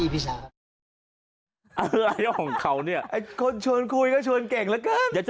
ไปหุ้มข้าวให้เมียกิน